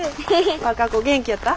和歌子元気やった？